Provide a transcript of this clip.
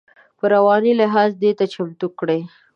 په رواني لحاظ دې ته چمتو کړي.